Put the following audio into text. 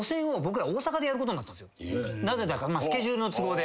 なぜだかスケジュールの都合で。